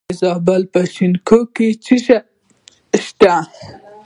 د زابل په شنکۍ کې څه شی شته؟